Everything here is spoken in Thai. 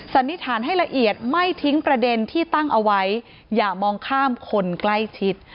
สันนิษฐานให้ละเอียดไม่ทิ้งประเด็นที่ตั้งเอาไว้อย่ามองข้ามคนใกล้ชิด